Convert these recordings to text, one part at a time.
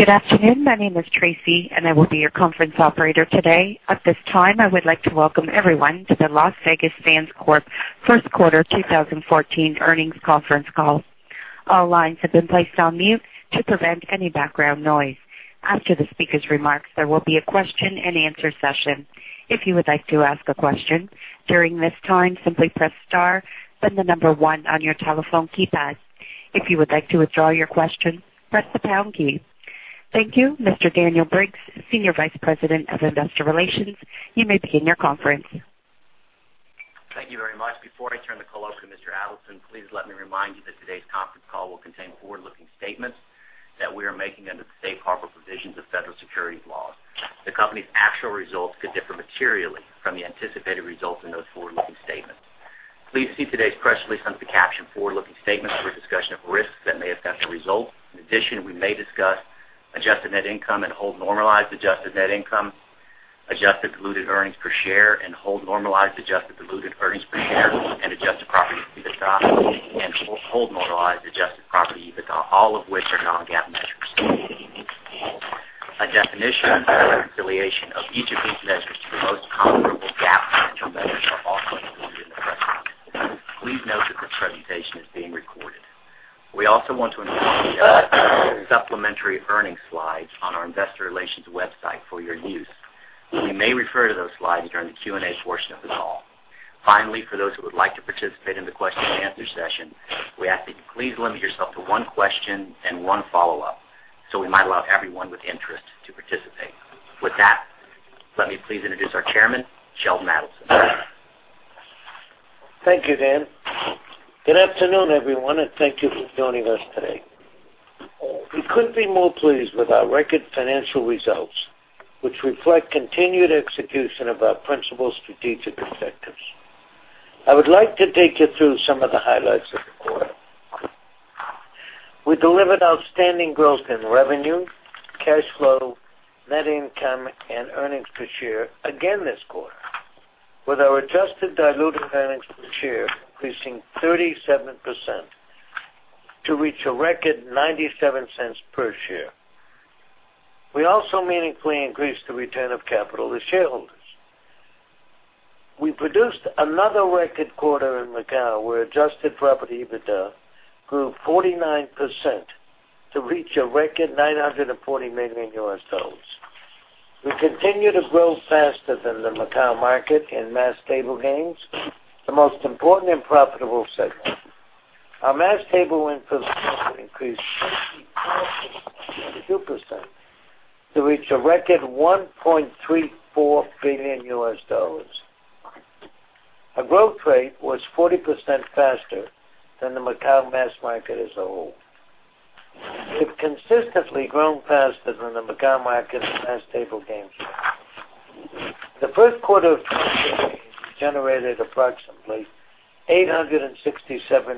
Good afternoon. My name is Tracy, and I will be your conference operator today. At this time, I would like to welcome everyone to the Las Vegas Sands Corp. First Quarter 2014 Earnings Conference Call. All lines have been placed on mute to prevent any background noise. After the speaker's remarks, there will be a question and answer session. If you would like to ask a question during this time, simply press star, then the number one on your telephone keypad. If you would like to withdraw your question, press the pound key. Thank you. Mr. Daniel Briggs, Senior Vice President of Investor Relations, you may begin your conference. Thank you very much. Before I turn the call over to Mr. Adelson, please let me remind you that today's conference call will contain forward-looking statements that we are making under the safe harbor provisions of federal securities laws. The company's actual results could differ materially from the anticipated results in those forward-looking statements. Please see today's press release under the caption Forward-Looking Statements for a discussion of risks that may affect our results. In addition, we may discuss adjusted net income and hold normalized adjusted net income, adjusted diluted earnings per share, and hold normalized adjusted diluted earnings per share and adjusted property EBITDA and hold normalized adjusted property EBITDA, all of which are non-GAAP measures. A definition and reconciliation of each of these measures to the most comparable GAAP financial measures are also included in the press release. Please note that this presentation is being recorded. We also want to remind you that supplementary earnings slides on our investor relations website for your use. We may refer to those slides during the Q&A portion of the call. Finally, for those who would like to participate in the question and answer session, we ask that you please limit yourself to one question and one follow-up so we might allow everyone with interest to participate. With that, let me please introduce our Chairman, Sheldon Adelson. Thank you, Dan. Good afternoon, everyone, and thank you for joining us today. We couldn't be more pleased with our record financial results, which reflect continued execution of our principal strategic objectives. I would like to take you through some of the highlights of the quarter. We delivered outstanding growth in revenue, cash flow, net income, and earnings per share again this quarter, with our adjusted diluted earnings per share increasing 37% to reach a record $0.97 per share. We also meaningfully increased the return of capital to shareholders. We produced another record quarter in Macau, where adjusted property EBITDA grew 49% to reach a record $940 million. We continue to grow faster than the Macau market in mass table games, the most important and profitable segment. Our mass table win per drop increased 22% to reach a record $1.34 billion. Our growth rate was 40% faster than the Macau mass market as a whole. We've consistently grown faster than the Macau market in mass table games. The first quarter of 2013 generated approximately $867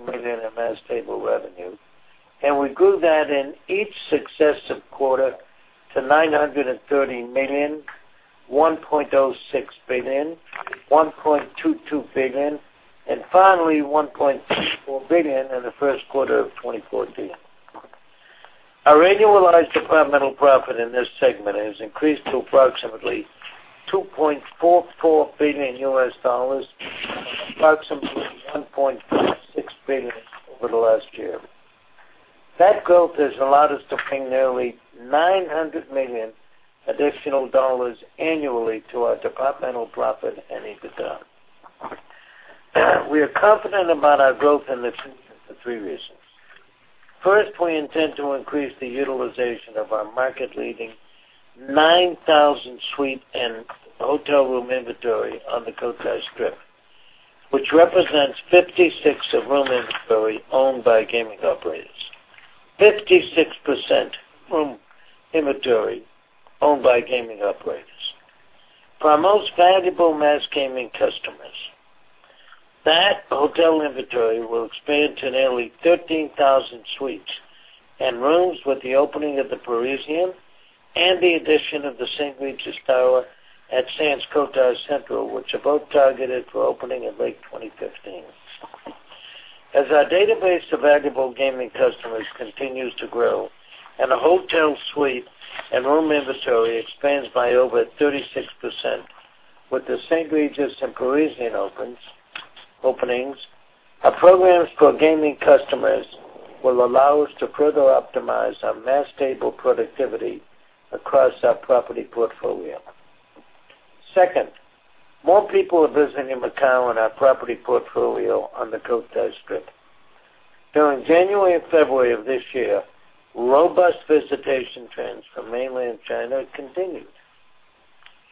million in mass table revenue, and we grew that in each successive quarter to $930 million, $1.06 billion, $1.22 billion, and finally $1.34 billion in the first quarter of 2014. Our annualized departmental profit in this segment has increased to approximately $2.44 billion, from approximately $1.56 billion over the last year. That growth has allowed us to bring nearly $900 million additional dollars annually to our departmental profit and EBITDA. We are confident about our growth in Macau for three reasons. First, we intend to increase the utilization of our market-leading 9,000 suite and hotel room inventory on the Cotai Strip, which represents 56% of room inventory owned by gaming operators. 56% room inventory owned by gaming operators. For our most valuable mass gaming customers, that hotel inventory will expand to nearly 13,000 suites and rooms with the opening of The Parisian and the addition of The St. Regis Tower at Sands Cotai Central, which are both targeted for opening in late 2015. As our database of valuable gaming customers continues to grow and the hotel suite and room inventory expands by over 36% with The St. Regis and Parisian openings, our programs for gaming customers will allow us to further optimize our mass table productivity across our property portfolio. Second, more people are visiting Macau and our property portfolio on the Cotai Strip. During January and February of this year, robust visitation trends from mainland China continued.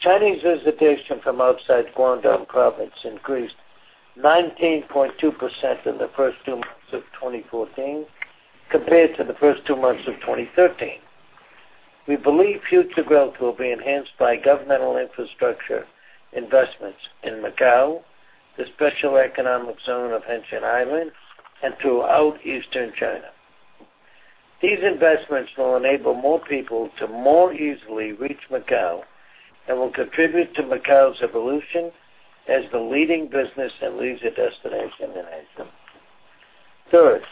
Chinese visitation from outside Guangdong province increased 19.2% in the first two months of 2014 compared to the first two months of 2013. We believe future growth will be enhanced by governmental infrastructure investments in Macau, the special economic zone of Hengqin Island, and throughout eastern China. These investments will enable more people to more easily reach Macau and will contribute to Macau's evolution as the leading business and leisure destination in Asia. Third,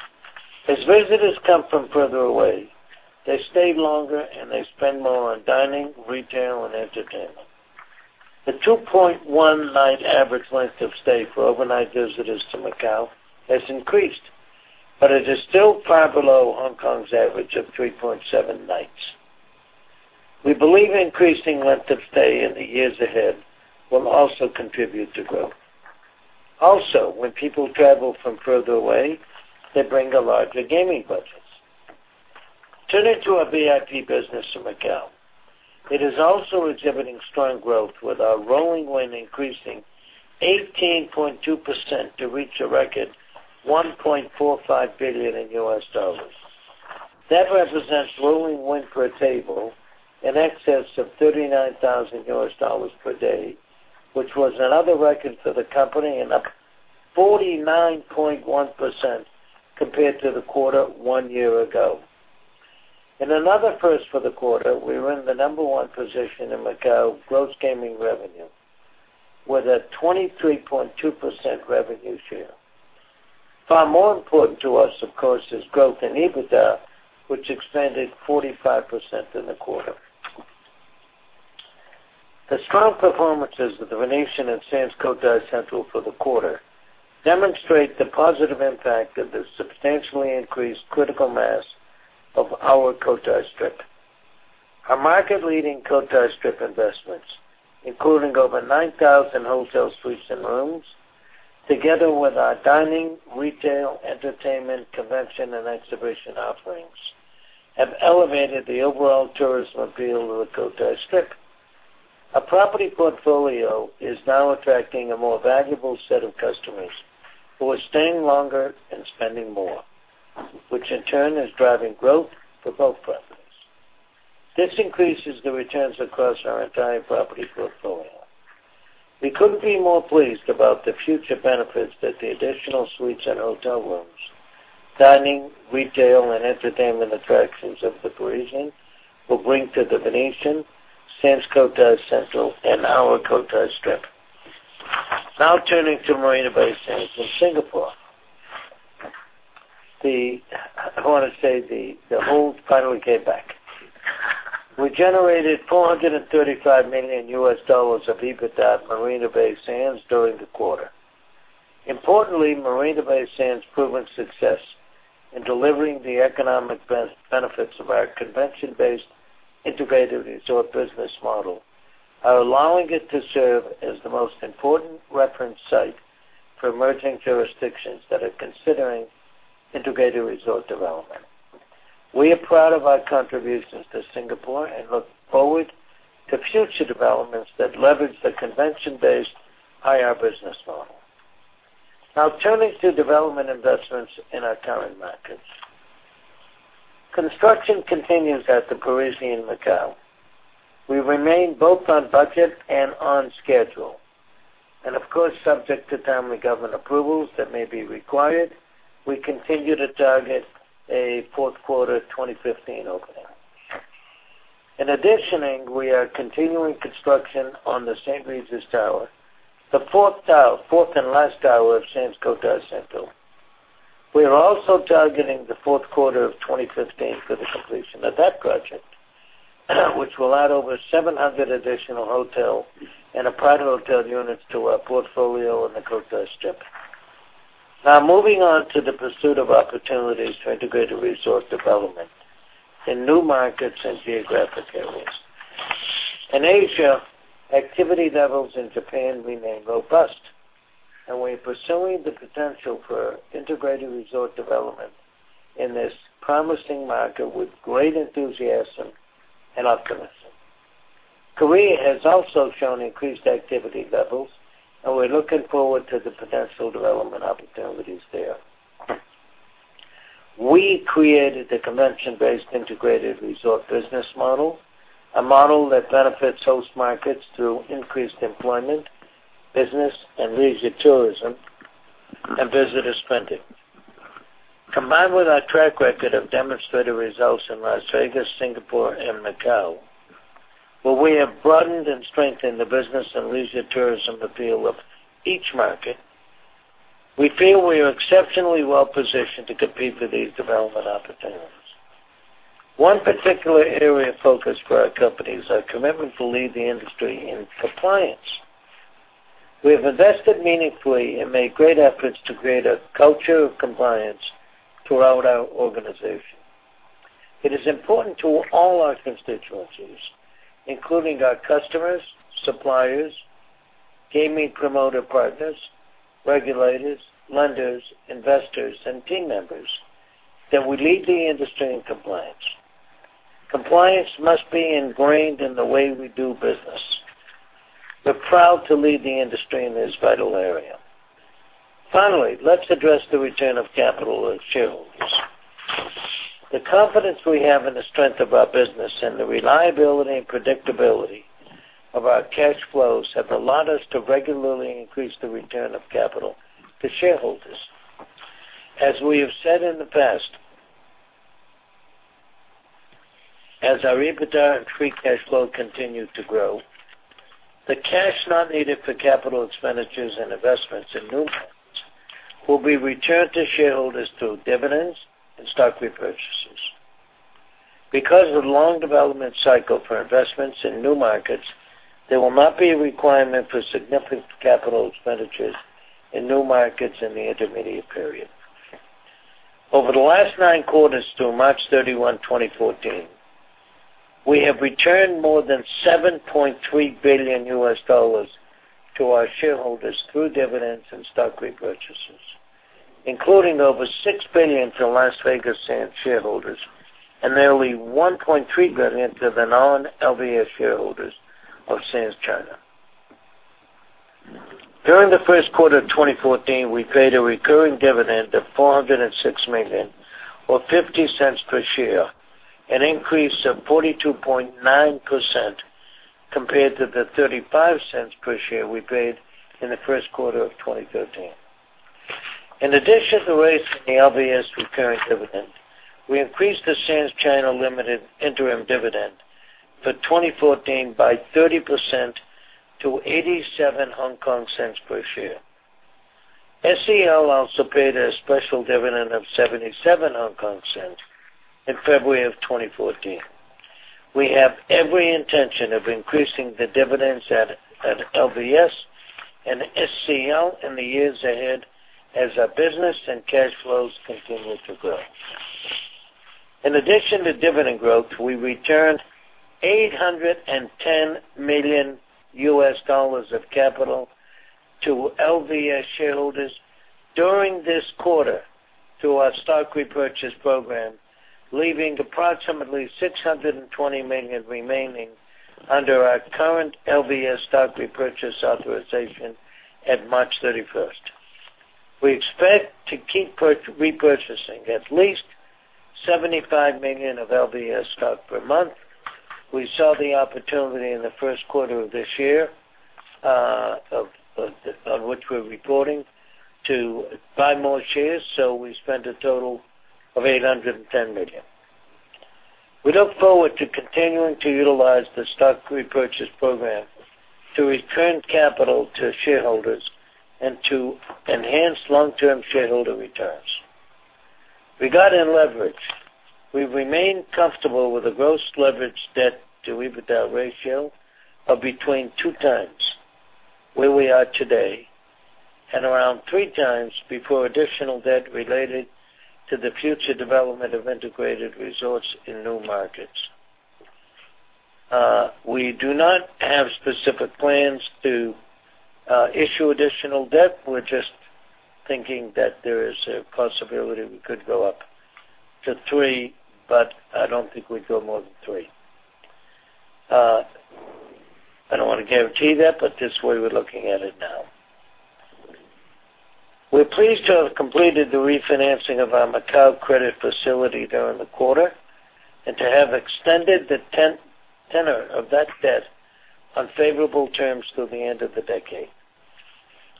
as visitors come from further away, they stay longer, and they spend more on dining, retail, and entertainment. The 2.1 night average length of stay for overnight visitors to Macau has increased, but it is still far below Hong Kong's average of 3.7 nights. We believe increasing length of stay in the years ahead will also contribute to growth. Also, when people travel from further away, they bring larger gaming budgets. Turning to our VIP business in Macau. It is also exhibiting strong growth with our rolling win increasing 18.2% to reach a record $1.45 billion in US dollars. That represents rolling win per table in excess of $39,000 per day, which was another record for the company and up 49.1% compared to the quarter one year ago. In another first for the quarter, we were in the number one position in Macau gross gaming revenue with a 23.2% revenue share. Far more important to us, of course, is growth in EBITDA, which expanded 45% in the quarter. The strong performances of The Venetian and Sands Cotai Central for the quarter demonstrate the positive impact of the substantially increased critical mass of our Cotai Strip. Our market-leading Cotai Strip investments, including over 9,000 hotel suites and rooms, together with our dining, retail, entertainment, convention and exhibition offerings, have elevated the overall tourism appeal of the Cotai Strip. Our property portfolio is now attracting a more valuable set of customers who are staying longer and spending more, which in turn is driving growth for both properties. This increases the returns across our entire property portfolio. We couldn't be more pleased about the future benefits that the additional suites and hotel rooms, dining, retail, and entertainment attractions of The Parisian will bring to The Venetian, Sands Cotai Central, and our Cotai Strip. Now turning to Marina Bay Sands in Singapore. I want to say the whole finally came back. We generated $435 million of EBITDA at Marina Bay Sands during the quarter. Importantly, Marina Bay Sands' proven success in delivering the economic benefits of our convention-based integrated resort business model are allowing it to serve as the most important reference site for emerging jurisdictions that are considering integrated resort development. We are proud of our contributions to Singapore and look forward to future developments that leverage the convention-based IR business model. Now turning to development investments in our current markets. Construction continues at The Parisian Macao. We remain both on budget and on schedule, and of course, subject to timely government approvals that may be required, we continue to target a fourth quarter 2015 opening. In addition, we are continuing construction on The St. Regis Tower, the fourth and last tower of Sands Cotai Central. We are also targeting the fourth quarter of 2015 for the completion of that project, which will add over 700 additional hotel and apartment hotel units to our portfolio on the Cotai Strip. Now moving on to the pursuit of opportunities for integrated resort development in new markets and geographic areas. In Asia, activity levels in Japan remain robust. We're pursuing the potential for integrated resort development in this promising market with great enthusiasm and optimism. Korea has also shown increased activity levels. We're looking forward to the potential development opportunities there. We created the convention-based integrated resort business model, a model that benefits host markets through increased employment, business and leisure tourism, and visitor spending. Combined with our track record of demonstrated results in Las Vegas, Singapore, and Macao, where we have broadened and strengthened the business and leisure tourism appeal of each market, we feel we are exceptionally well-positioned to compete for these development opportunities. One particular area of focus for our company is our commitment to lead the industry in compliance. We have invested meaningfully and made great efforts to create a culture of compliance throughout our organization. It is important to all our constituencies, including our customers, suppliers, gaming promoter partners, regulators, lenders, investors, and team members, that we lead the industry in compliance. Compliance must be ingrained in the way we do business. We're proud to lead the industry in this vital area. Finally, let's address the return of capital to shareholders. The confidence we have in the strength of our business and the reliability and predictability of our cash flows have allowed us to regularly increase the return of capital to shareholders. As we have said in the past, as our EBITDA and free cash flow continue to grow, the cash not needed for capital expenditures and investments in new markets will be returned to shareholders through dividends and stock repurchases. Because of the long development cycle for investments in new markets, there will not be a requirement for significant capital expenditures in new markets in the intermediate period. Over the last nine quarters to March 31, 2014, we have returned more than $7.3 billion to our shareholders through dividends and stock repurchases, including over $6 billion to Las Vegas Sands shareholders and nearly $1.3 billion to the non-LVS shareholders of Sands China. During the first quarter of 2014, we paid a recurring dividend of $406 million, or $0.50 per share, an increase of 42.9% compared to the $0.35 per share we paid in the first quarter of 2013. In addition to raising the LVS recurring dividend, we increased the Sands China Limited interim dividend for 2014 by 30% to 0.87 per share. SCL also paid a special dividend of 0.77 in February of 2014. We have every intention of increasing the dividends at LVS and SCL in the years ahead as our business and cash flows continue to grow. In addition to dividend growth, we returned $810 million of capital to LVS shareholders during this quarter through our stock repurchase program, leaving approximately $620 million remaining under our current LVS stock repurchase authorization at March 31st. We expect to keep repurchasing at least $75 million of LVS stock per month. We saw the opportunity in the first quarter of this year, on which we're reporting, to buy more shares, so we spent a total of $810 million. We look forward to continuing to utilize the stock repurchase program to return capital to shareholders and to enhance long-term shareholder returns. Regarding leverage, we remain comfortable with the gross leverage debt to EBITDA ratio of between two times, where we are today, and around three times before additional debt related to the future development of integrated resorts in new markets. We do not have specific plans to issue additional debt. We're just thinking that there is a possibility we could go up to three, but I don't think we'd go more than three. I don't want to guarantee that, but this is where we're looking at it now. We're pleased to have completed the refinancing of our Macao credit facility during the quarter and to have extended the tenor of that debt on favorable terms through the end of the decade.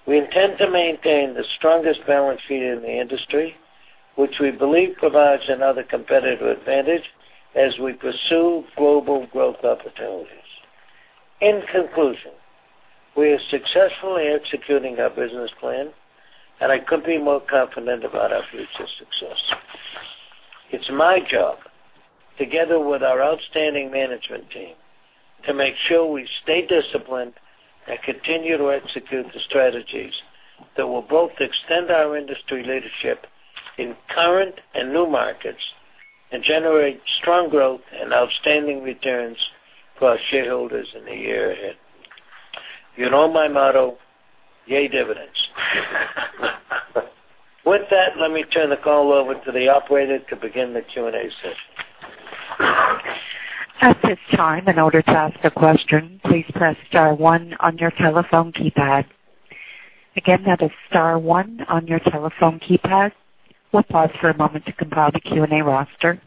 We intend to maintain the strongest balance sheet in the industry, which we believe provides another competitive advantage as we pursue global growth opportunities. In conclusion, we are successfully executing our business plan, and I couldn't be more confident about our future success. It's my job, together with our outstanding management team, to make sure we stay disciplined and continue to execute the strategies that will both extend our industry leadership in current and new markets and generate strong growth and outstanding returns for our shareholders in the year ahead. You know my motto, "Yay, dividends." With that, let me turn the call over to the operator to begin the Q&A session. At this time, in order to ask a question, please press star one on your telephone keypad. Again, that is star one on your telephone keypad. We'll pause for a moment to compile the Q&A roster.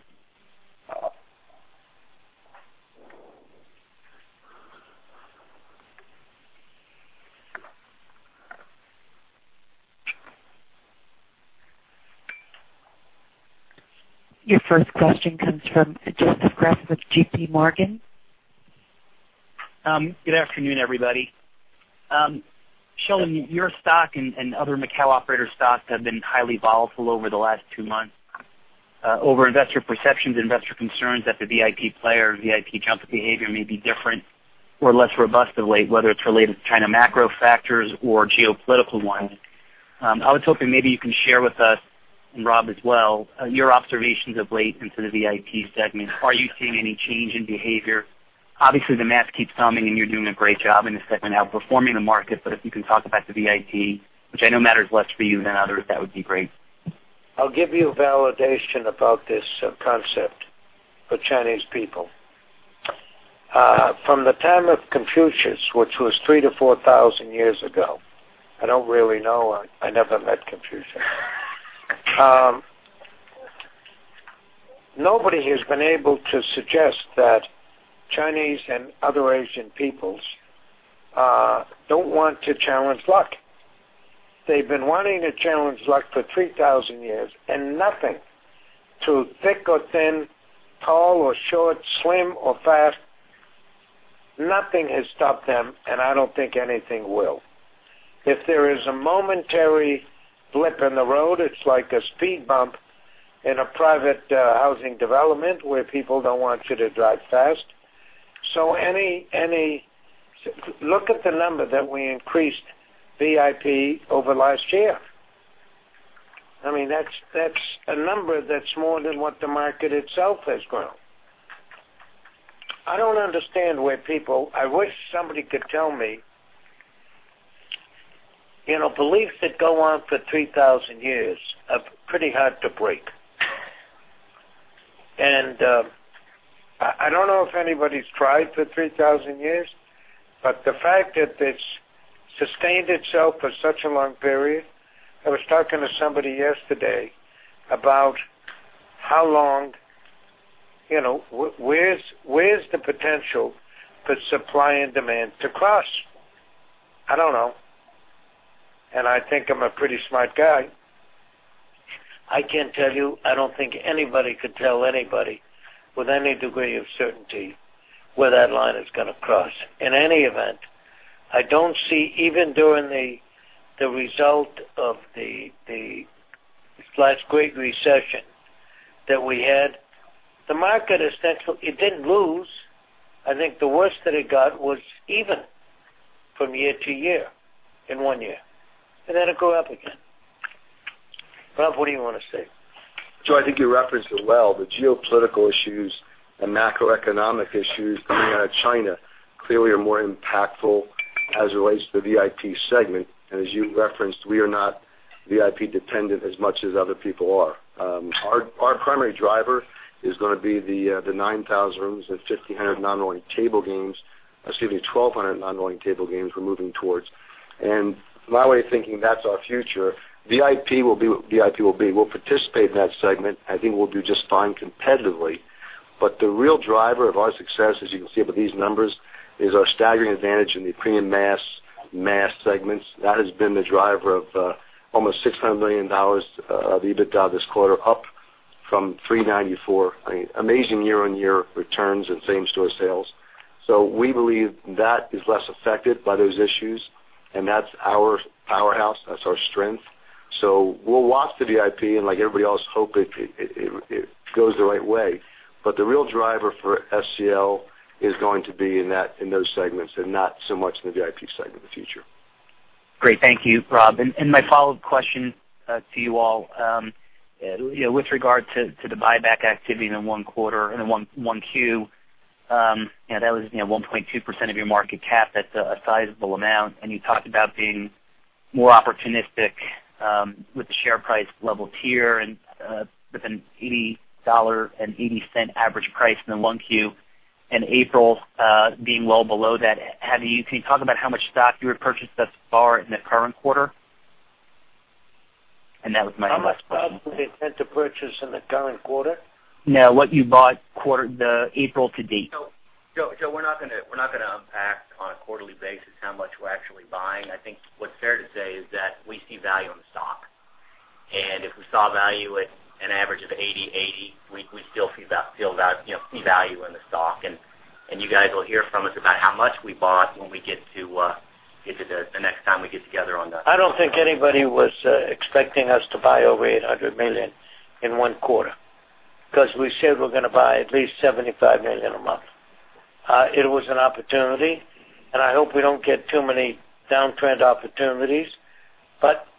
Your first question comes from Joseph Greff with JPMorgan. Good afternoon, everybody. Sheldon, your stock and other Macau operator stocks have been highly volatile over the last two months over investor perceptions, investor concerns that the VIP player and VIP junket behavior may be different or less robust of late, whether it's related to China macro factors or geopolitical ones. I was hoping maybe you can share with us, and Rob as well, your observations of late into the VIP segment. Are you seeing any change in behavior? Obviously, the math keeps coming, and you're doing a great job in this segment, outperforming the market. But if you can talk about the VIP, which I know matters less for you than others, that would be great. I'll give you a validation about this concept for Chinese people. From the time of Confucius, which was 3,000-4,000 years ago, I don't really know. I never met Confucius. Nobody has been able to suggest that Chinese and other Asian peoples don't want to challenge luck. They've been wanting to challenge luck for 3,000 years, and nothing, through thick or thin, tall or short, slim or fast, nothing has stopped them, and I don't think anything will. If there is a momentary blip in the road, it's like a speed bump in a private housing development where people don't want you to drive fast. Look at the number that we increased VIP over last year. That's a number that's more than what the market itself has grown. I wish somebody could tell me. Beliefs that go on for 3,000 years are pretty hard to break. I don't know if anybody's tried for 3,000 years, but the fact that it's sustained itself for such a long period. I was talking to somebody yesterday about where's the potential for supply and demand to cross. I don't know. I think I'm a pretty smart guy. I can't tell you, I don't think anybody could tell anybody with any degree of certainty where that line is going to cross. In any event, I don't see, even during the result of the last great recession that we had, the market, it didn't lose. I think the worst that it got was even from year to year in one year, and then it grew up again. Rob, what do you want to say? Joe, I think you referenced it well. The geopolitical issues and macroeconomic issues coming out of China clearly are more impactful as it relates to the VIP segment. As you referenced, we are not VIP-dependent as much as other people are. Our primary driver is going to be the 9,000 rooms and 1,500 non-rolling table games, excuse me, 1,200 non-rolling table games we're moving towards. From my way of thinking, that's our future. VIP will be VIP. We'll participate in that segment, and I think we'll do just fine competitively. The real driver of our success, as you can see with these numbers, is our staggering advantage in the premium mass segments. That has been the driver of almost $600 million of EBITDA this quarter, up from $394 million. Amazing year-on-year returns in same-store sales. We believe that is less affected by those issues, and that's our powerhouse, that's our strength. We'll watch the VIP and like everybody else, hope it goes the right way. The real driver for SCL is going to be in those segments and not so much in the VIP segment of the future. Great. Thank you, Rob. My follow-up question to you all. With regard to the buyback activity in the one quarter, in 1Q, that was 1.2% of your market cap. That's a sizable amount. You talked about being more opportunistic with the share price level tier and with an $80.80 average price in the 1Q and April being well below that. Can you talk about how much stock you repurchased thus far in the current quarter? That was my next question. How much stock do we intend to purchase in the current quarter? No, what you bought April to date. Joe, we're not going to unpack on a quarterly basis how much we're actually buying. I think what's fair to say is that we see value in the stock. If we saw value at an average of $80.80, we still see value in the stock. You guys will hear from us about how much we bought when we get to the next time we get together. I don't think anybody was expecting us to buy over $800 million in one quarter because we said we're going to buy at least $75 million a month. It was an opportunity, and I hope we don't get too many downtrend opportunities.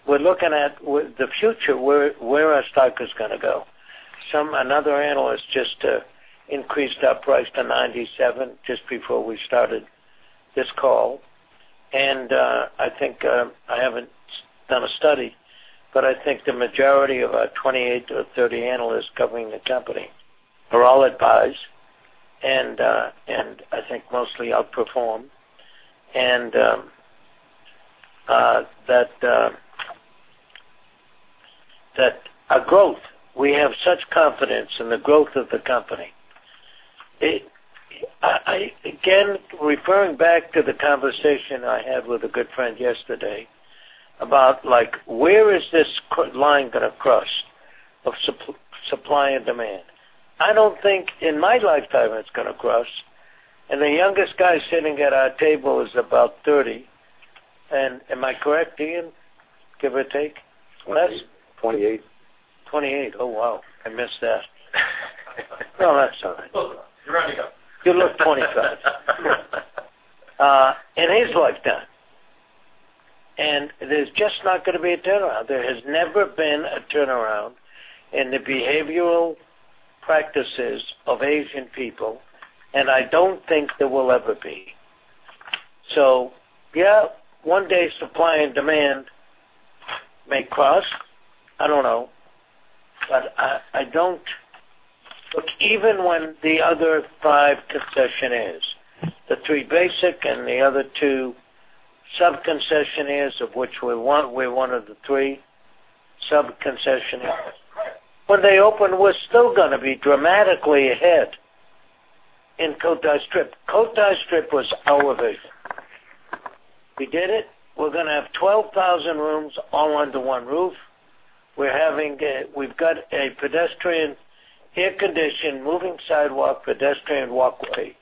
We're looking at the future, where our stock is going to go. Another analyst just increased our price to $97 just before we started this call. I think I haven't done a study, but I think the majority of our 28 to 30 analysts covering the company are all advised, and I think mostly outperform. That our growth, we have such confidence in the growth of the company. Again, referring back to the conversation I had with a good friend yesterday about where is this line going to cross of supply and demand. I don't think in my lifetime it's going to cross, and the youngest guy sitting at our table is about 30. Am I correct, Ian, give or take? Less? Twenty-eight. 28. Oh, wow. I missed that. No, that's all right. You round me up. You look 25. In his lifetime. There's just not going to be a turnaround. There has never been a turnaround in the behavioral practices of Asian people, and I don't think there will ever be. Yeah, one day supply and demand may cross. I don't know. Look, even when the other five concessionaires, the three basic and the other two sub-concessionaires of which we're one of the three sub-concessionaires. When they open, we're still going to be dramatically ahead in Cotai Strip. Cotai Strip was our vision. We did it. We're going to have 12,000 rooms all under one roof. We've got a pedestrian, air-conditioned, moving sidewalk, pedestrian walkway,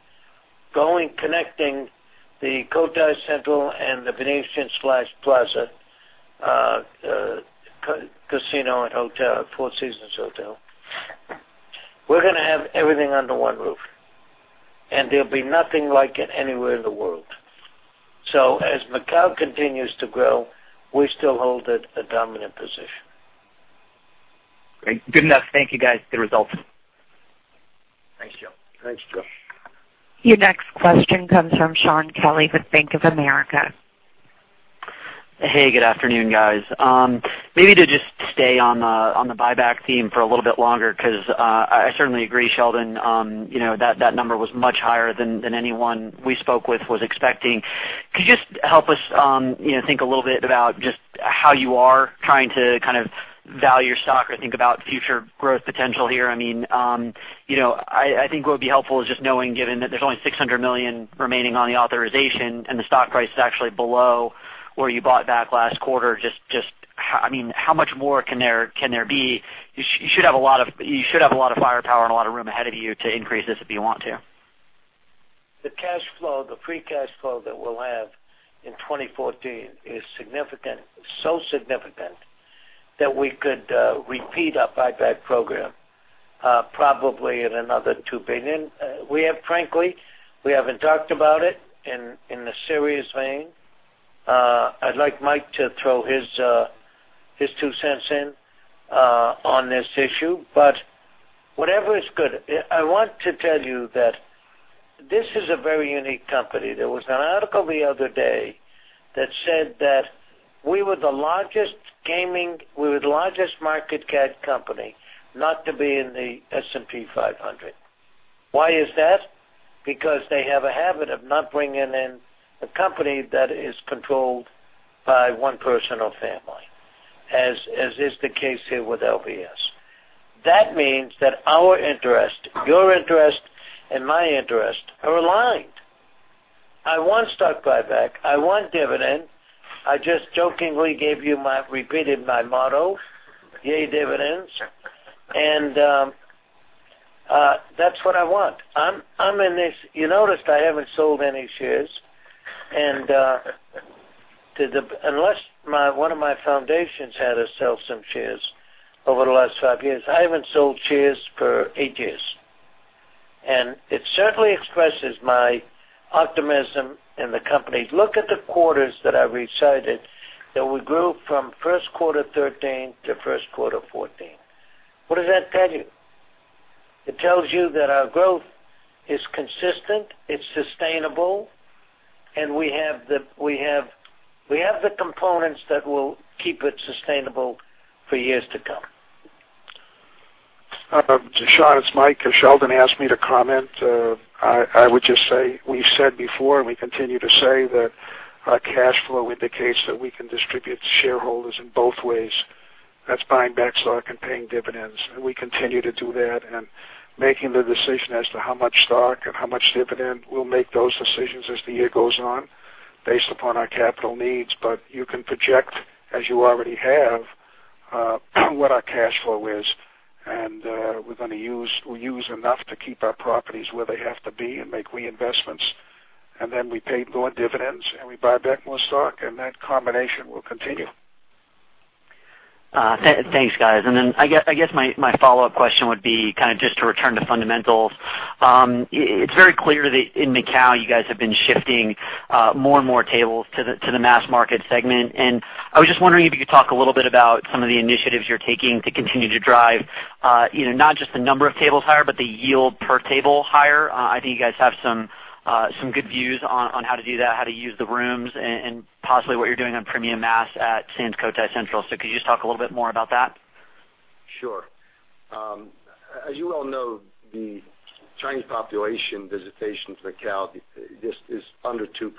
connecting the Cotai Central and The Venetian/Plaza Casino Hotel, Four Seasons Hotel. We're going to have everything under one roof, and there'll be nothing like it anywhere in the world. As Macau continues to grow, we still hold a dominant position. Great. Good enough. Thank you, guys, for the results. Thanks, Joe. Your next question comes from Shaun Kelley with Bank of America. Hey, good afternoon, guys. Maybe to just stay on the buyback theme for a little bit longer because I certainly agree, Sheldon, that number was much higher than anyone we spoke with was expecting. Could you just help us think a little bit about just how you are trying to value your stock or think about future growth potential here? I think what would be helpful is just knowing, given that there's only $600 million remaining on the authorization and the stock price is actually below where you bought back last quarter. Just how much more can there be? You should have a lot of firepower and a lot of room ahead of you to increase this if you want to. The free cash flow that we'll have in 2014 is so significant that we could repeat our buyback program probably at another $2 billion. Frankly, we haven't talked about it in a serious vein. I'd like Mike to throw his two cents in on this issue. Whatever is good. I want to tell you that this is a very unique company. There was an article the other day that said that we were the largest market cap company not to be in the S&P 500. Why is that? Because they have a habit of not bringing in a company that is controlled by one person or family, as is the case here with LVS. That means that our interest, your interest, and my interest are aligned. I want stock buyback. I want dividend. I just jokingly gave you, repeated my motto, "Yay, dividends." That's what I want. You noticed I haven't sold any shares. Unless one of my foundations had to sell some shares over the last five years, I haven't sold shares for eight years. It certainly expresses my optimism in the company. Look at the quarters that I recited, that we grew from first quarter 2013 to first quarter 2014. What does that tell you? It tells you that our growth is consistent, it's sustainable, and we have the components that will keep it sustainable for years to come. Shaun, it's Mike. Sheldon asked me to comment. I would just say, we've said before, we continue to say that our cash flow indicates that we can distribute to shareholders in both ways. That's buying back stock and paying dividends. We continue to do that and making the decision as to how much stock and how much dividend, we'll make those decisions as the year goes on based upon our capital needs. You can project, as you already have, what our cash flow is, and we're going to use enough to keep our properties where they have to be and make reinvestments. We pay more dividends, and we buy back more stock, and that combination will continue. Thanks, guys. I guess my follow-up question would be kind of just to return to fundamentals. It's very clear that in Macau, you guys have been shifting more and more tables to the mass market segment. I was just wondering if you could talk a little bit about some of the initiatives you're taking to continue to drive not just the number of tables higher, but the yield per table higher. I think you guys have some good views on how to do that, how to use the rooms, and possibly what you're doing on premium mass at Sands Cotai Central. Could you just talk a little bit more about that? Sure. As you all know, the Chinese population visitation to Macau is under 2%.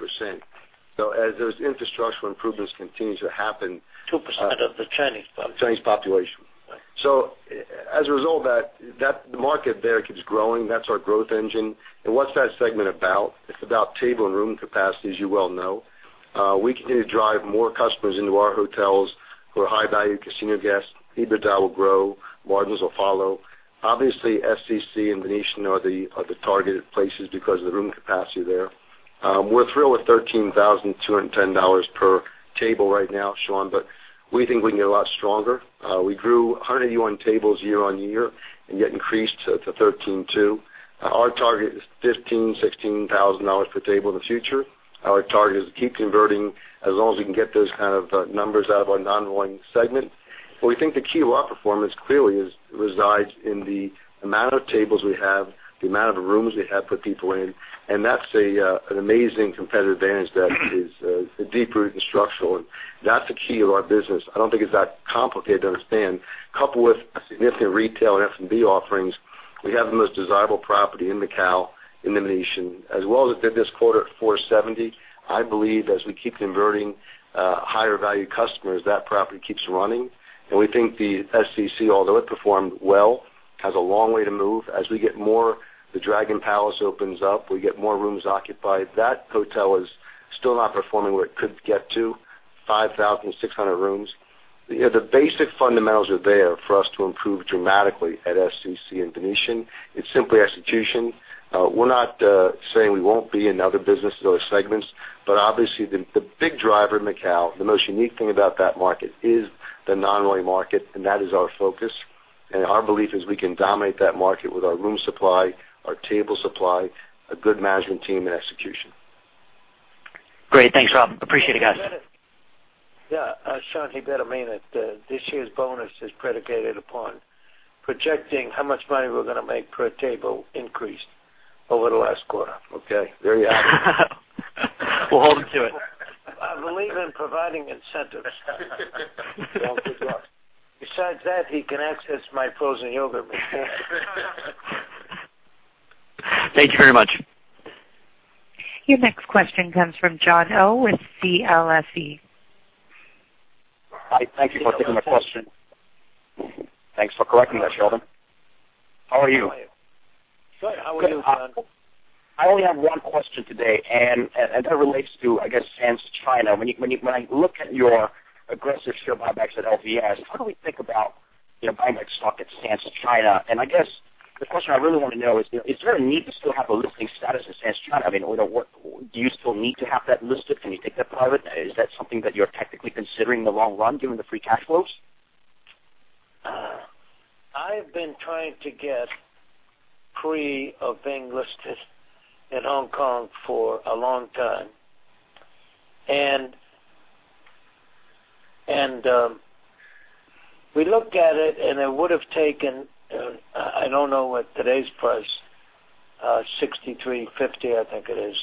As those infrastructural improvements continue to happen. 2% of the Chinese population. Chinese population. Right. As a result, the market there keeps growing. That's our growth engine. What's that segment about? It's about table and room capacity, as you well know. We continue to drive more customers into our hotels who are high-value casino guests. EBITDA will grow, margins will follow. Obviously, SCC and Venetian are the targeted places because of the room capacity there. We're thrilled with $13,210 per table right now, Sean, but we think we can get a lot stronger. We grew 181 tables year-on-year and yet increased to $13.2. Our target is $15,000, $16,000 per table in the future. Our target is to keep converting as long as we can get those kind of numbers out of our non-rolling segment. We think the key to our performance clearly resides in the amount of tables we have, the amount of rooms we have to put people in, That's an amazing competitive advantage that is deep-rooted and structural, That's the key to our business. I don't think it's that complicated to understand. Coupled with a significant retail and F&B offerings, we have the most desirable property in Macau, in The Venetian, as well as if they did this quarter at $470. I believe as we keep converting higher-value customers, that property keeps running. We think the SCC, although it performed well Has a long way to move. As we get more, The Dragon Palace opens up, we get more rooms occupied. That hotel is still not performing where it could get to 5,600 rooms. The basic fundamentals are there for us to improve dramatically at SCC and The Venetian. It's simply execution. We're not saying we won't be in other businesses or segments, Obviously the big driver in Macau, the most unique thing about that market is the non-rolling market, That is our focus. Our belief is we can dominate that market with our room supply, our table supply, a good management team, and execution. Great. Thanks, Rob. Appreciate it, guys. Yeah, Sean, he better mean it. This year's bonus is predicated upon projecting how much money we're going to make per table increase over the last quarter. Okay. Very happy. We'll hold him to it. I believe in providing incentives. Well, good luck. Besides that, he can access my frozen yogurt machine. Thank you very much. Your next question comes from Jon Oh with CLSA. Hi. Thank you for taking my question. Thanks for correcting us, Sheldon. How are you? Good. How are you, Jon? I only have one question today, that relates to, I guess, Sands China. When I look at your aggressive share buybacks at LVS, how do we think about buyback stock at Sands China? I guess the question I really want to know is there a need to still have a listing status at Sands China? I mean, do you still need to have that listed? Can you take that private? Is that something that you're technically considering in the long run, given the free cash flows? I've been trying to get free of being listed in Hong Kong for a long time. We looked at it, and it would have taken, I don't know what today's price, $6,350 I think it is.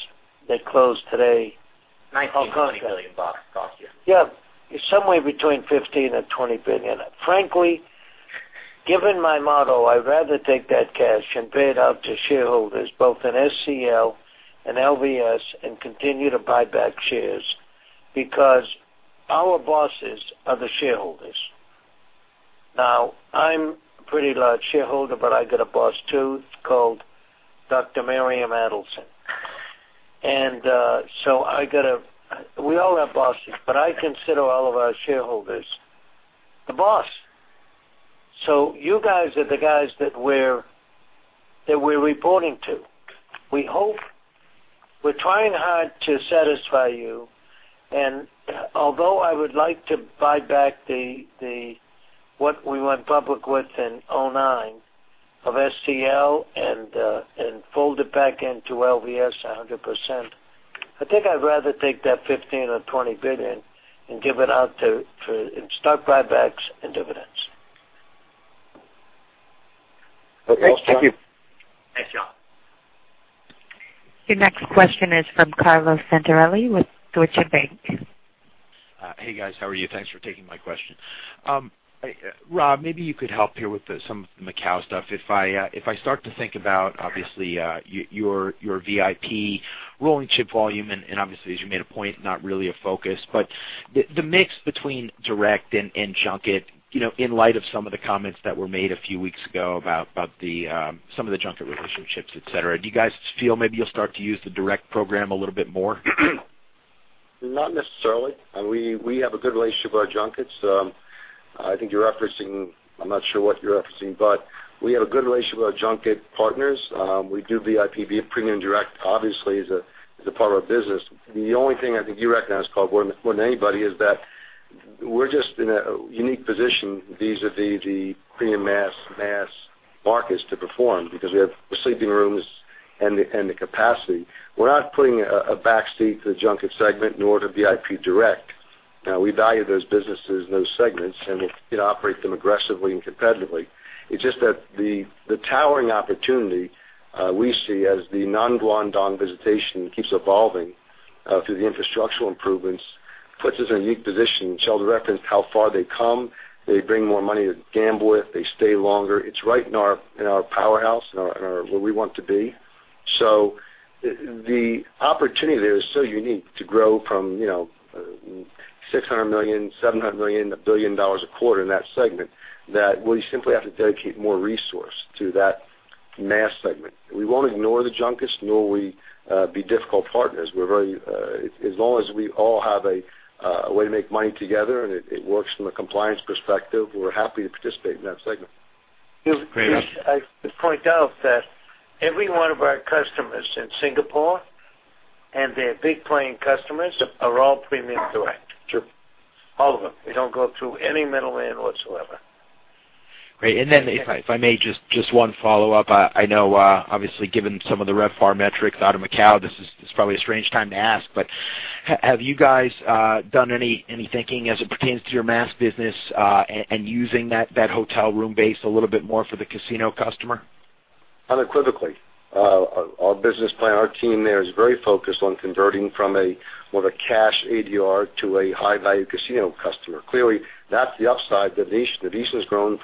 They closed today. $19 billion it cost you. Yeah. It's somewhere between $15 billion-$20 billion. Frankly, given my motto, I'd rather take that cash and pay it out to shareholders, both in SCL and LVS, and continue to buy back shares, because our bosses are the shareholders. Now, I'm a pretty large shareholder, but I got a boss, too, called Dr. Miriam Adelson. We all have bosses, but I consider all of our shareholders the boss. You guys are the guys that we're reporting to. We're trying hard to satisfy you. Although I would like to buy back what we went public with in 2009 of SCL and fold it back into LVS 100%, I think I'd rather take that $15 billion or $20 billion and give it out in stock buybacks and dividends. Okay. Thank you. Thanks, Jon. Your next question is from Carlo Santarelli with Deutsche Bank. Hey, guys. How are you? Thanks for taking my question. Rob, maybe you could help here with some of the Macau stuff. If I start to think about, obviously, your VIP rolling chip volume, and obviously, as you made a point, not really a focus, but the mix between direct and junket, in light of some of the comments that were made a few weeks ago about some of the junket relationships, et cetera, do you guys feel maybe you'll start to use the direct program a little bit more? Not necessarily. We have a good relationship with our junkets. I think you're referencing, I'm not sure what you're referencing, but we have a good relationship with our junket partners. We do VIP premium direct, obviously, as a part of our business. The only thing I think you recognize, Carlo, more than anybody, is that we're just in a unique position vis-a-vis the premium mass markets to perform because we have the sleeping rooms and the capacity. We're not putting a back seat to the junket segment, nor to VIP direct. We value those businesses and those segments, and operate them aggressively and competitively. It's just that the towering opportunity we see as the non-Guangdong visitation keeps evolving through the infrastructural improvements, puts us in a unique position. Sheldon referenced how far they come. They bring more money to gamble with. They stay longer. It's right in our powerhouse, in where we want to be. The opportunity there is so unique to grow from $600 million, $700 million, $1 billion a quarter in that segment, that we simply have to dedicate more resource to that mass segment. We won't ignore the junkets, nor will we be difficult partners. As long as we all have a way to make money together and it works from a compliance perspective, we're happy to participate in that segment. Great. I should point out that every one of our customers in Singapore and their big playing customers are all premium direct. True. All of them. They don't go through any middleman whatsoever. Great. Then if I may, just one follow-up. I know obviously given some of the RevPAR metrics out of Macau, this is probably a strange time to ask, but have you guys done any thinking as it pertains to your mass business and using that hotel room base a little bit more for the casino customer? Unequivocally. Our business plan, our team there is very focused on converting from a more of a cash ADR to a high-value casino customer. Clearly, that's the upside. Venetian has grown.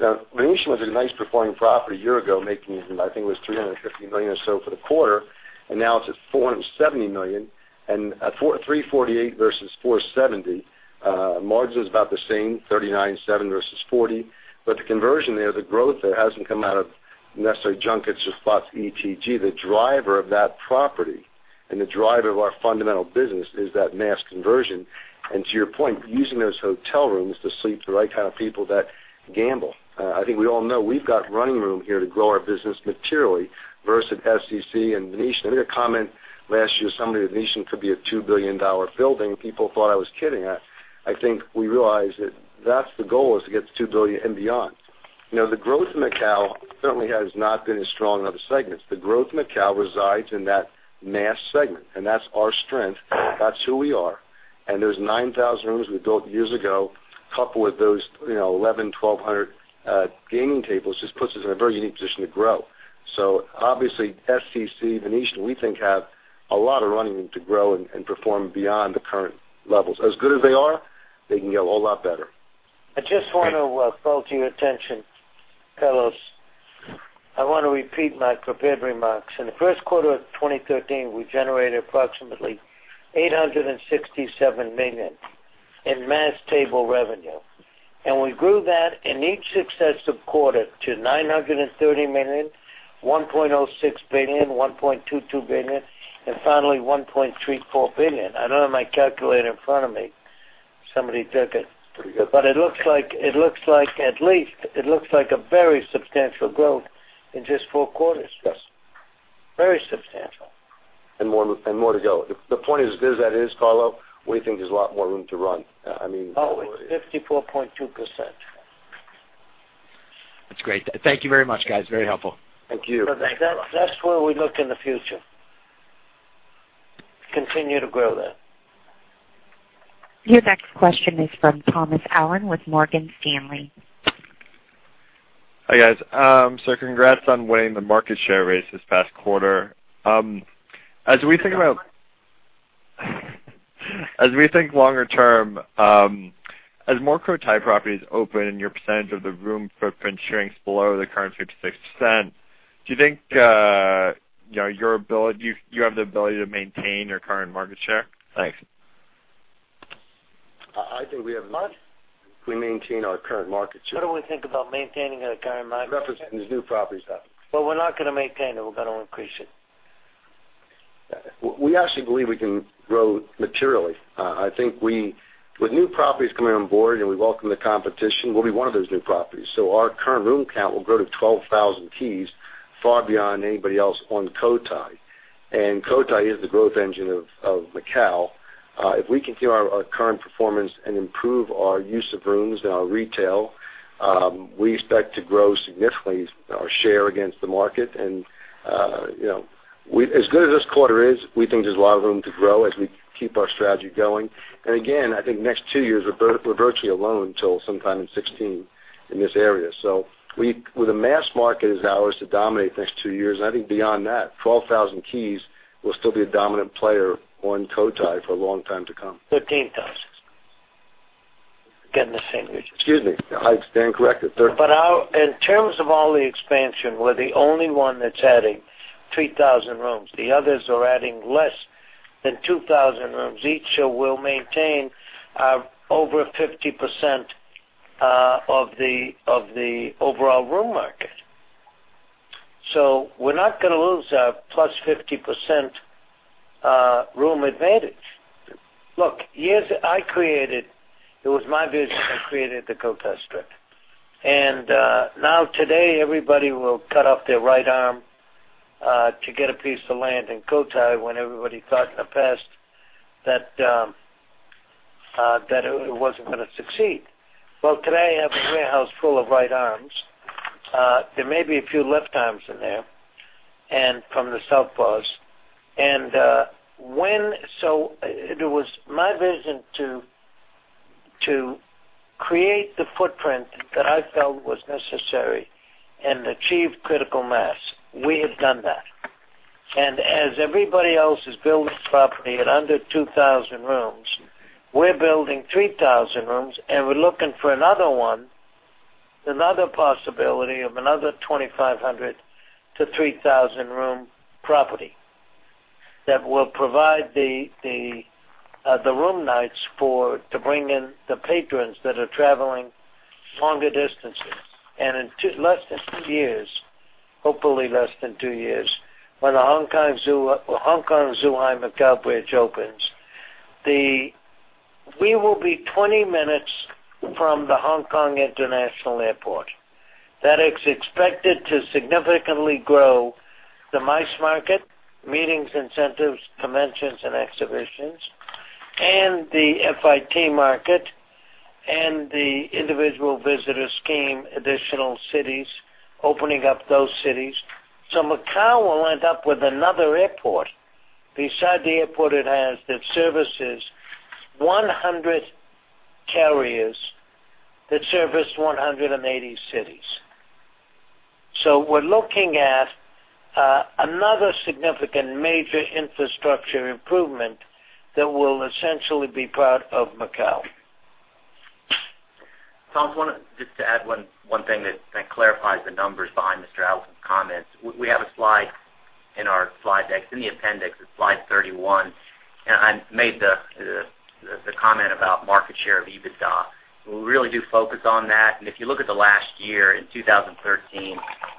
Now Venetian was a nice performing property a year ago, making, I think it was $350 million or so for the quarter, and now it's at $470 million, and $348 versus $470. Margin's about the same, 39.7 versus 40. The conversion there, the growth there hasn't come out of necessarily junkets or spots ETG. The driver of that property and the driver of our fundamental business is that mass conversion. To your point, using those hotel rooms to sleep the right kind of people that gamble. I think we all know we've got running room here to grow our business materially versus SCL and Venetian. I made a comment last year, somebody at Venetian could be a $2 billion building. People thought I was kidding. I think we realized that that's the goal, is to get to 2 billion and beyond. The growth in Macau certainly has not been as strong in other segments. The growth in Macau resides in that mass segment, and that's our strength. That's who we are. There's 9,000 rooms we built years ago, coupled with those 1,100-1,200 gaming tables, just puts us in a very unique position to grow. Obviously SCL, Venetian, we think, have a lot of running room to grow and perform beyond the current levels. As good as they are, they can get a whole lot better. I just want to call to your attention, fellows. I want to repeat my prepared remarks. In the first quarter of 2013, we generated approximately $867 million in mass table revenue. We grew that in each successive quarter to $930 million, $1.06 billion, $1.22 billion, and finally $1.34 billion. I don't have my calculator in front of me. Somebody took it. It's pretty good. It looks like a very substantial growth in just four quarters. Yes. Very substantial. More to go. The point is, as that is, Carlo, we think there's a lot more room to run. Oh, it's 54.2%. That's great. Thank you very much, guys. Very helpful. Thank you. That's where we look in the future. Continue to grow that. Your next question is from Thomas Allen with Morgan Stanley. Hi, guys. Congrats on winning the market share race this past quarter. As we think about longer term, as more Cotai properties open and your percentage of the room footprint shrinks below the current 56%, do you think you have the ability to maintain your current market share? Thanks. I think we have. What? We maintain our current market share. How do we think about maintaining our current market share? Representing these new properties out. We're not going to maintain it, we're going to increase it. We actually believe we can grow materially. I think with new properties coming on board, we welcome the competition. We'll be one of those new properties. Our current room count will grow to 12,000 keys, far beyond anybody else on Cotai. Cotai is the growth engine of Macau. If we continue our current performance and improve our use of rooms and our retail, we expect to grow significantly our share against the market. As good as this quarter is, we think there's a lot of room to grow as we keep our strategy going. Again, I think next two years, we're virtually alone until sometime in 2016 in this area. With the mass market is ours to dominate the next two years, and I think beyond that, 12,000 keys will still be a dominant player on Cotai for a long time to come. 13,000. Getting the same. Excuse me. I stand corrected, 13. In terms of all the expansion, we're the only one that's adding 3,000 rooms. The others are adding less than 2,000 rooms each. We'll maintain over 50% of the overall room market. We're not going to lose our +50% room advantage. Look, years, it was my vision that created the Cotai Strip. Now today, everybody will cut off their right arm to get a piece of land in Cotai when everybody thought in the past that it wasn't going to succeed. Well, today I have a warehouse full of right arms. There may be a few left arms in there and from the southpaws. It was my vision to create the footprint that I felt was necessary and achieve critical mass. We have done that. As everybody else is building property at under 2,000 rooms, we're building 3,000 rooms, and we're looking for another one, another possibility of another 2,500 to 3,000-room property that will provide the room nights to bring in the patrons that are traveling longer distances. In less than 2 years, hopefully less than 2 years, when the Hong Kong-Zhuhai-Macau Bridge opens, we will be 20 minutes from the Hong Kong International Airport. That is expected to significantly grow the MICE market, meetings, incentives, conventions, and exhibitions, and the FIT market, and the individual visitor scheme, additional cities, opening up those cities. Macau will end up with another airport beside the airport it has that services 100 carriers that service 180 cities. We're looking at another significant major infrastructure improvement that will essentially be part of Macau. Thomas, just to add one thing that clarifies the numbers behind Mr. Adelson's comments. We have a slide In our slide deck, in the appendix, it's slide 31. I made the comment about market share of EBITDA. We really do focus on that. If you look at the last year, in 2013,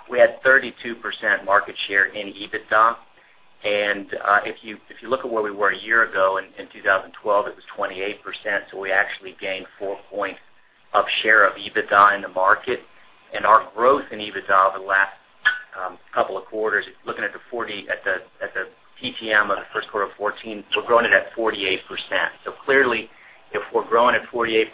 we had 32% market share in EBITDA. If you look at where we were a year ago, in 2012, it was 28%, so we actually gained 4 points of share of EBITDA in the market. Our growth in EBITDA over the last couple of quarters, looking at the TTM of the Q1 2014, we're growing it at 48%. Clearly, if we're growing at 48%,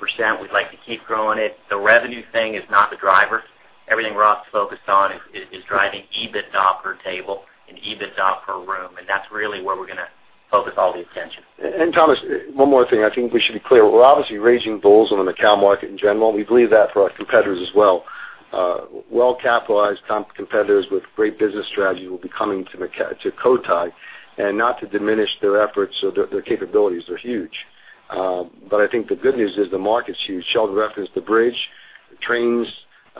we'd like to keep growing it. The revenue thing is not the driver. Everything Rob's focused on is driving EBITDA per table and EBITDA per room, and that's really where we're going to focus all the attention. Thomas, one more thing. I think we should be clear. We're obviously raising bulls on the Macau market in general, we believe that for our competitors as well. Well-capitalized competitors with great business strategies will be coming to Cotai, not to diminish their efforts or their capabilities. They're huge. I think the good news is the market's huge. Sheldon referenced the bridge, the trains,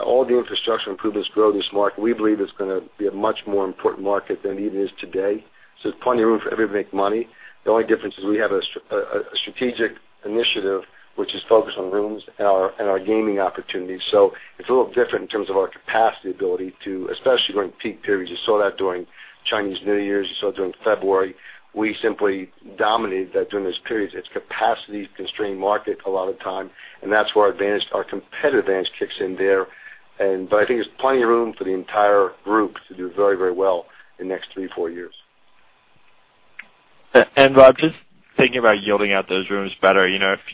all the infrastructure improvements grow this market. We believe it's going to be a much more important market than it is today. There's plenty of room for everybody to make money. The only difference is we have a strategic initiative which is focused on rooms and our gaming opportunities. It's a little different in terms of our capacity ability to, especially during peak periods. You saw that during Chinese New Year's, you saw it during February. We simply dominated that during those periods. It's a capacity-constrained market a lot of time, that's where our competitive advantage kicks in there. I think there's plenty of room for the entire group to do very well in the next three, four years. Rob, just thinking about yielding out those rooms better,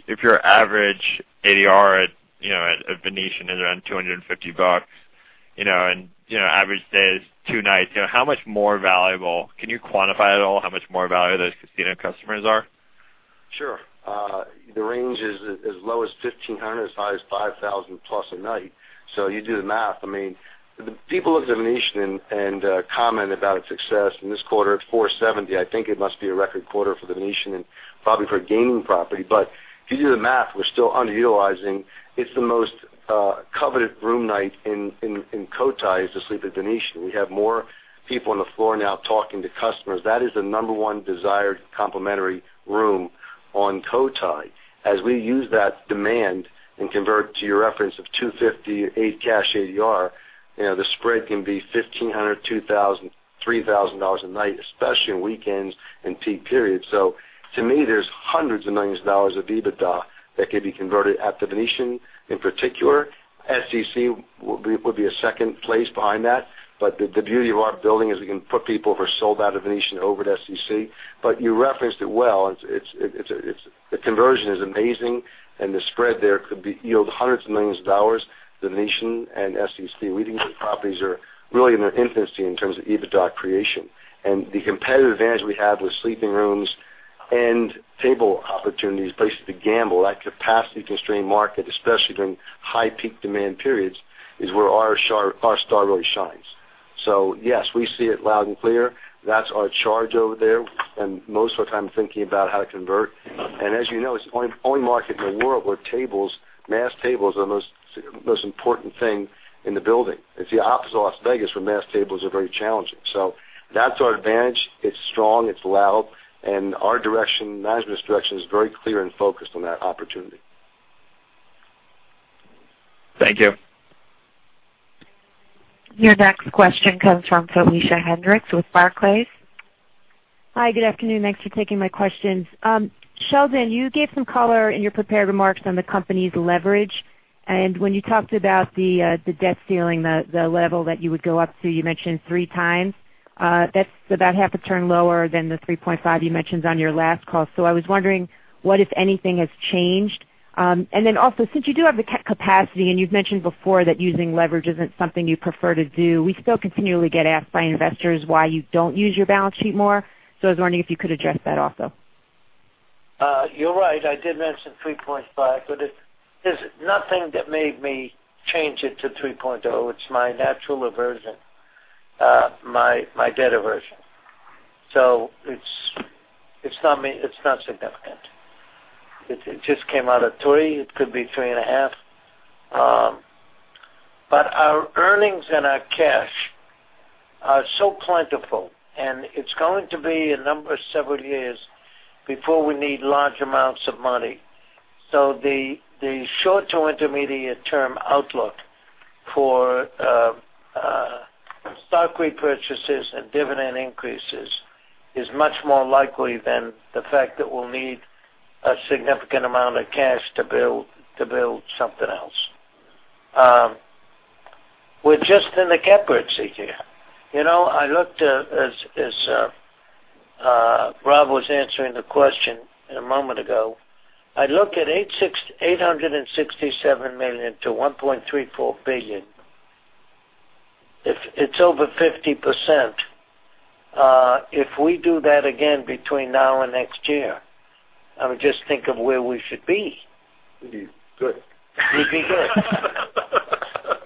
if your average ADR at The Venetian is around $250 and average stay is two nights, how much more valuable, can you quantify at all how much more valuable those casino customers are? Sure. The range is as low as $1,500, as high as $5,000 plus a night. You do the math. The people at The Venetian comment about its success in this quarter at $470. I think it must be a record quarter for The Venetian and probably for a gaming property. If you do the math, we're still underutilizing. It's the most coveted room night in Cotai is to sleep at The Venetian. We have more people on the floor now talking to customers. That is the number one desired complimentary room on Cotai. As we use that demand and convert to your reference of $250, eight cash ADR, the spread can be $1,500, $2,000, $3,000 a night, especially on weekends and peak periods. To me, there's hundreds of millions of dollars of EBITDA that can be converted at The Venetian in particular. SCC would be a second place behind that. The beauty of our building is we can put people who are sold out of Venetian over to SCC. You referenced it well. The conversion is amazing and the spread there could yield $hundreds of millions. Venetian and SCC, we think those properties are really in their infancy in terms of EBITDA creation. The competitive advantage we have with sleeping rooms and table opportunities, places to gamble, that capacity-constrained market, especially during high peak demand periods, is where our star really shines. Yes, we see it loud and clear. That's our charge over there, and most of our time thinking about how to convert. As you know, it's the only market in the world where tables, mass tables, are the most important thing in the building. It's the opposite of Las Vegas, where mass tables are very challenging. That's our advantage. It's strong, it's loud, our direction, management's direction, is very clear and focused on that opportunity. Thank you. Your next question comes from Felicia Hendrix with Barclays. Hi, good afternoon. Thanks for taking my questions. Sheldon, you gave some color in your prepared remarks on the company's leverage. When you talked about the debt ceiling, the level that you would go up to, you mentioned 3x. That's about half a turn lower than the 3.5 you mentioned on your last call. I was wondering what, if anything, has changed. Also, since you do have the capacity, and you've mentioned before that using leverage isn't something you prefer to do, we still continually get asked by investors why you don't use your balance sheet more. I was wondering if you could address that also. You're right, I did mention 3.5, there's nothing that made me change it to 3.0. It's my natural aversion, my debt aversion. It's not significant. It just came out at three. It could be three and a half. Our earnings and our cash are so plentiful, and it's going to be a number of several years before we need large amounts of money. The short to intermediate term outlook for stock repurchases and dividend increases is much more likely than the fact that we'll need a significant amount of cash to build something else. We're just in the catbird seat here. As Rob was answering the question a moment ago, I looked at $867 million to $1.34 billion. It's over 50%. If we do that again between now and next year, just think of where we should be. We'd be good. We'd be good.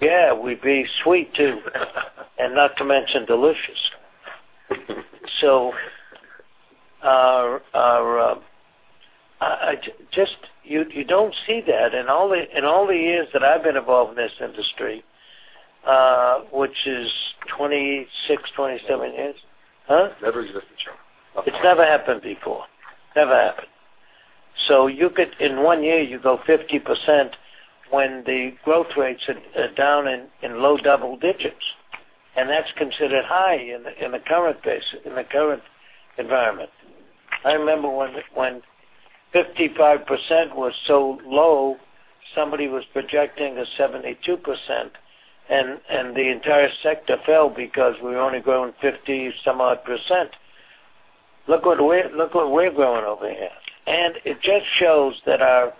Yeah, we'd be sweet, too. Not to mention delicious. You don't see that. In all the years that I've been involved in this industry, which is 26, 27 years. Huh? Never existed, Sheldon. It's never happened before. Never happened. In one year, you go 50% when the growth rates are down in low double digits, and that's considered high in the current environment. I remember when 55% was so low, somebody was projecting a 72%, and the entire sector fell because we were only growing 50-some odd %. Look what we're growing over here. It just shows that our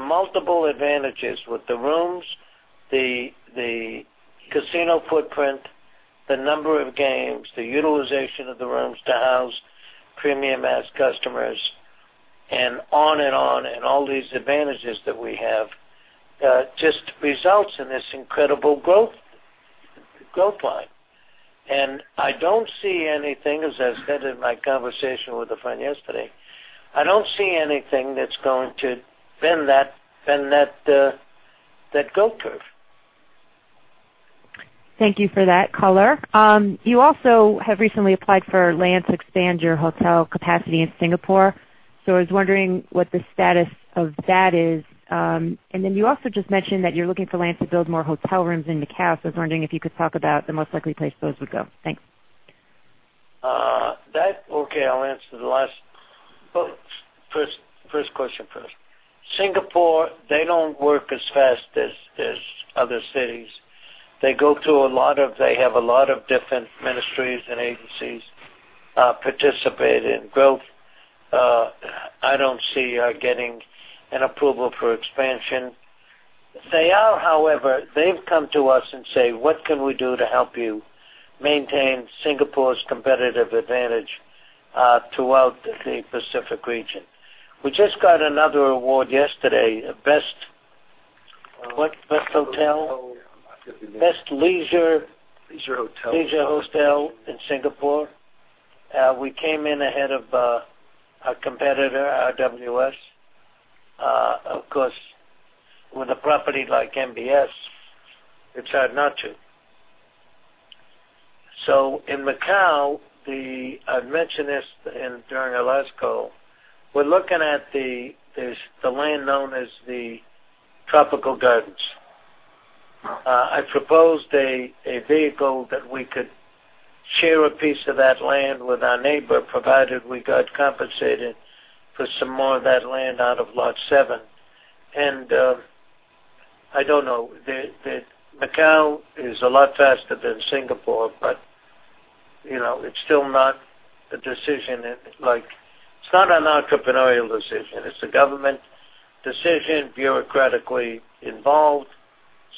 multiple advantages with the rooms, the casino footprint, the number of games, the utilization of the rooms to house premium mass customers, and on and on, and all these advantages that we have, just results in this incredible growth line. I don't see anything, as I said in my conversation with a friend yesterday, I don't see anything that's going to bend that growth curve. Thank you for that color. You also have recently applied for land to expand your hotel capacity in Singapore. I was wondering what the status of that is. You also just mentioned that you're looking for land to build more hotel rooms in Macau, so I was wondering if you could talk about the most likely place those would go. Thanks. I'll answer the last first question first. Singapore, they don't work as fast as other cities. They have a lot of different ministries and agencies participate in growth. I don't see us getting an approval for expansion. They are, however, they've come to us and say, "What can we do to help you maintain Singapore's competitive advantage throughout the Pacific region?" We just got another award yesterday. Best what? Best hotel? Best hotel, yeah. I forget the name. Best leisure- Leisure hotel leisure hotel in Singapore. We came in ahead of a competitor, RWS. Of course, with a property like MBS, it's hard not to. In Macau, I've mentioned this during our last call, we're looking at the land known as the Tropical Gardens. I proposed a vehicle that we could share a piece of that land with our neighbor, provided we got compensated for some more of that land out of Lot 7. I don't know. Macau is a lot faster than Singapore, but it's still not a decision. It's not an entrepreneurial decision. It's a government decision, bureaucratically involved.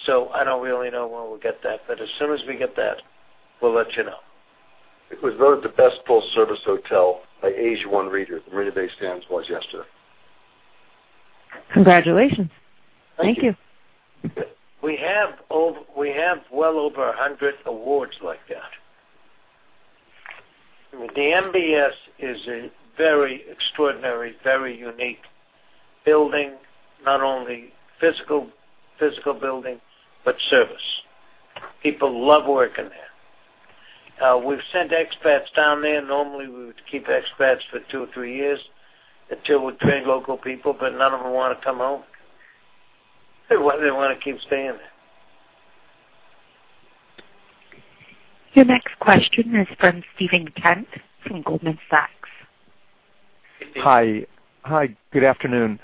I don't really know when we'll get that. As soon as we get that, we'll let you know. It was voted the best full-service hotel by AsiaOne readers. The Marina Bay Sands was yesterday. Congratulations. Thank you. Thank you. We have well over 100 awards like that. The MBS is a very extraordinary, very unique building, not only physical building, but service. People love working there. We've sent expats down there. Normally, we would keep expats for two or three years until we train local people, but none of them want to come home. They want to keep staying there. Your next question is from Steven Kent from Goldman Sachs. Hi, good afternoon.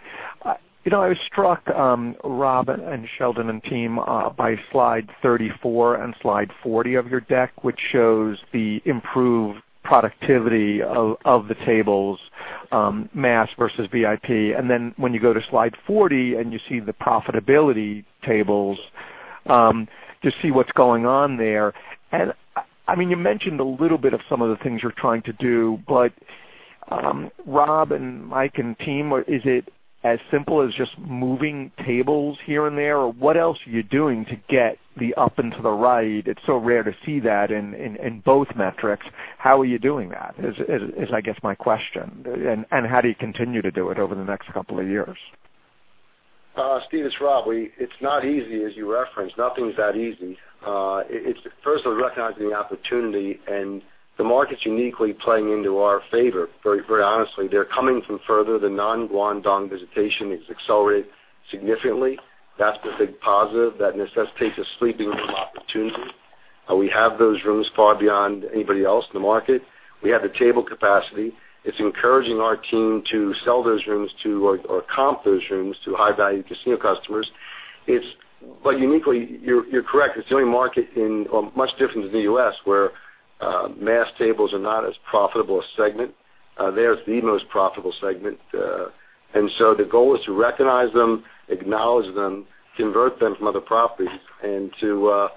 I was struck, Rob and Sheldon and team, by slide 34 and slide 40 of your deck, which shows the improved productivity of the tables, mass versus VIP. When you go to slide 40 and you see the profitability tables, to see what's going on there. You mentioned a little bit of some of the things you're trying to do, but Rob and Mike and team, is it as simple as just moving tables here and there, or what else are you doing to get the up and to the right? It's so rare to see that in both metrics. How are you doing that, is I guess my question. How do you continue to do it over the next couple of years? Steve, it's Rob. It's not easy as you referenced. Nothing's that easy. It's first recognizing the opportunity and the market's uniquely playing into our favor, very honestly. They're coming from further. The non-Guangdong visitation is accelerated significantly. That's the big positive that necessitates a sleeping room opportunity. We have those rooms far beyond anybody else in the market. We have the table capacity. It's encouraging our team to sell those rooms to, or comp those rooms to high-value casino customers. Uniquely, you're correct. It's the only market much different than the U.S., where mass tables are not as profitable a segment. There, it's the most profitable segment. The goal is to recognize them, acknowledge them, convert them from other properties, and to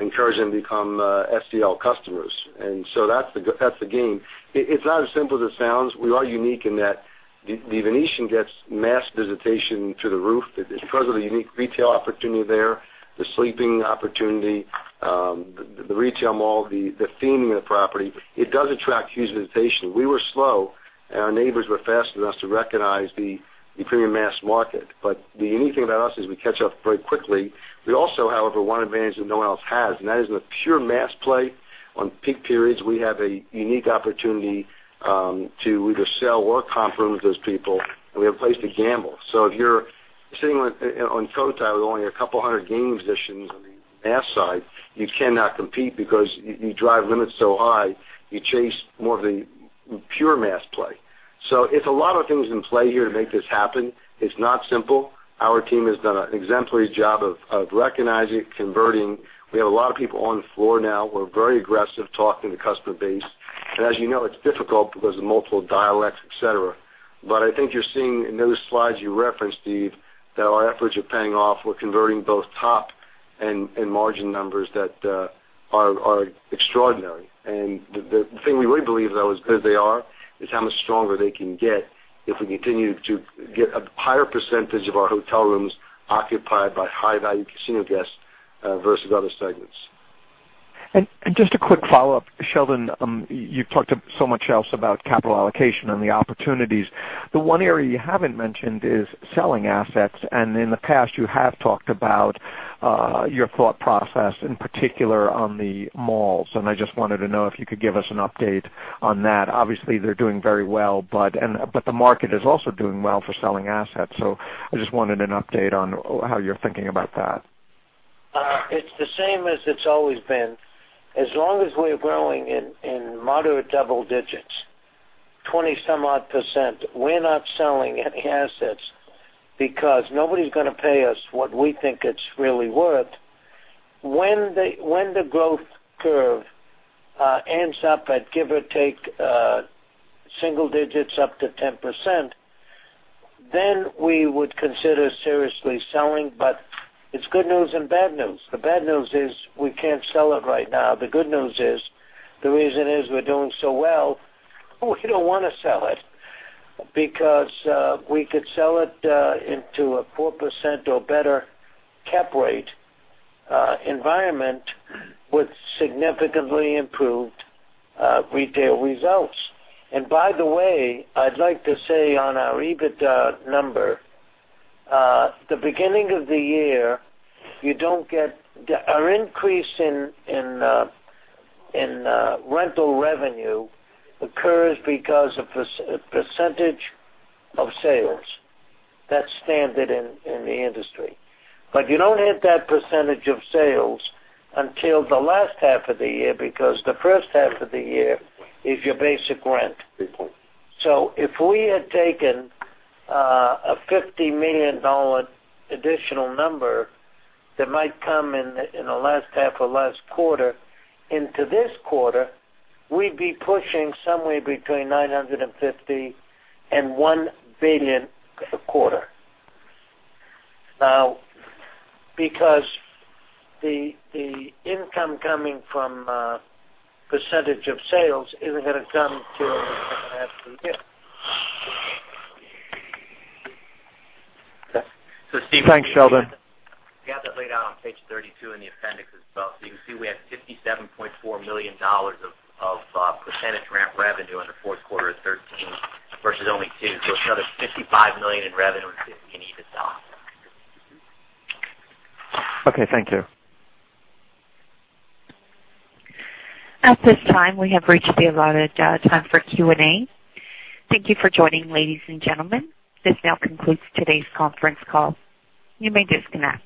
encourage them to become SCL customers. That's the game. It's not as simple as it sounds. We are unique in that The Venetian gets mass visitation through the roof because of the unique retail opportunity there, the sleeping opportunity, the retail mall, the theming of the property. It does attract huge visitation. We were slow, and our neighbors were faster than us to recognize the premium mass market. The unique thing about us is we catch up very quickly. We also, however, one advantage that no one else has, and that is with pure mass play. On peak periods, we have a unique opportunity to either sell or comp room with those people, and we have a place to gamble. If you're sitting on Cotai with only a couple of 100 game positions on the mass side, you cannot compete because you drive limits so high, you chase more of the pure mass play. It's a lot of things in play here to make this happen. It's not simple. Our team has done an exemplary job of recognizing, converting. We have a lot of people on the floor now who are very aggressive, talking to customer base. As you know, it's difficult because of multiple dialects, et cetera. I think you're seeing in those slides you referenced, Steven, that our efforts are paying off. We're converting both top and margin numbers that are extraordinary. The thing we really believe, though, as good as they are, is how much stronger they can get if we continue to get a higher percentage of our hotel rooms occupied by high-value casino guests versus other segments. Just a quick follow-up, Sheldon Adelson. You've talked so much else about capital allocation and the opportunities. The one area you haven't mentioned is selling assets. In the past, you have talked about your thought process, in particular on the malls, and I just wanted to know if you could give us an update on that. Obviously, they're doing very well. The market is also doing well for selling assets. I just wanted an update on how you're thinking about that. It's the same as it's always been. As long as we're growing in moderate double digits, 20 some odd percent, we're not selling any assets because nobody's going to pay us what we think it's really worth. When the growth curve ends up at, give or take, single digits up to 10%, then we would consider seriously selling. It's good news and bad news. The bad news is we can't sell it right now. The good news is, the reason is we're doing so well, we don't want to sell it because we could sell it into a 4% or better cap rate environment with significantly improved retail results. By the way, I'd like to say on our EBITDA number, the beginning of the year, our increase in rental revenue occurs because of percentage of sales. That's standard in the industry. You don't hit that percentage of sales until the last half of the year because the first half of the year is your basic rent. If we had taken a $50 million additional number that might come in the last half of last quarter into this quarter, we'd be pushing somewhere between $950 million and $1 billion a quarter, because the income coming from percentage of sales isn't going to come till the second half of the year. Okay. Thanks, Sheldon. We have that laid out on page 32 in the appendix as well. You can see we have $57.4 million of percentage rent revenue in the fourth quarter of 2013 versus only $2 million. It's another $55 million in revenue in EBITDA. Okay, thank you. At this time, we have reached the allotted time for Q&A. Thank you for joining, ladies and gentlemen. This now concludes today's conference call. You may disconnect.